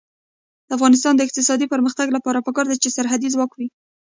د افغانستان د اقتصادي پرمختګ لپاره پکار ده چې سرحدي ځواک وي.